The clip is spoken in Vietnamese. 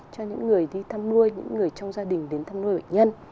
cho những người đi thăm mưa những người trong gia đình đến thăm mưa bệnh nhân